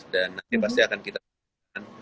dan nanti pasti akan kita lakukan